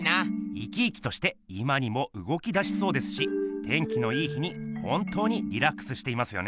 生き生きとして今にもうごきだしそうですし天気のいい日に本当にリラックスしていますよね。